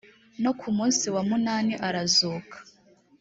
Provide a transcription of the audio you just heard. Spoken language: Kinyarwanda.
nuko ku munsi wa munani arazuka